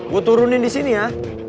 gue turunin di sini ya